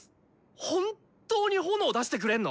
ほんっとに炎出してくれんの？